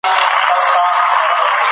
د تیرو ناکامیو مه ډاریږئ.